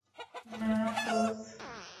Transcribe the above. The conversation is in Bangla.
না, বস।